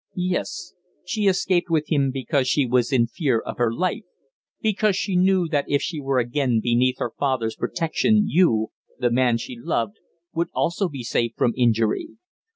"Yes. She escaped with him because she was in fear of her life because she knew that if she were again beneath her own father's protection, you the man she loved would also be safe from injury.